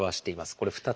これ２つ。